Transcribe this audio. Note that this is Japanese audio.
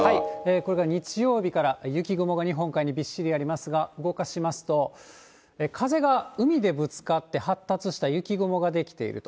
これが日曜日から、雪雲が日本海にびっしりありますが、動かしますと、風が海でぶつかって発達した雪雲が出来ていると。